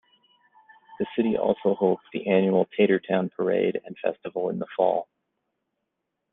The city also holds the annual Tater Town Parade and festival in the fall.